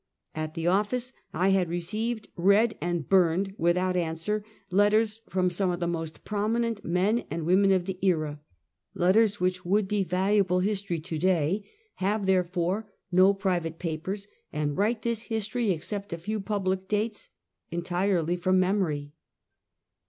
At the office I had received, read and burned, without answer, letters from some of the most prominent men and women of the era; letters which would be valuable history to day; have, therefore, no private papers, and write this history, except a few public dates, entirely from memory.